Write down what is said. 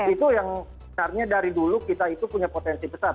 itu yang sebenarnya dari dulu kita itu punya potensi besar